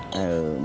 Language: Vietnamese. mẹ con mua